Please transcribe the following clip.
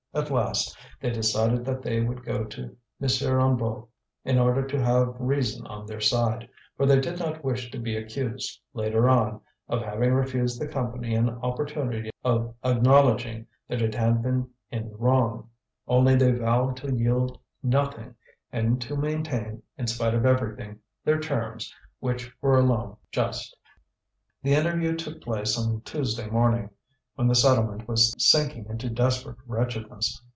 At last, they decided that they would go to M. Hennebeau in order to have reason on their side; for they did not wish to be accused, later on, of having refused the Company an opportunity of acknowledging that it had been in the wrong. Only they vowed to yield nothing and to maintain, in spite of everything, their terms, which were alone just. The interview took place on Tuesday morning, when the settlement was sinking into desperate wretchedness.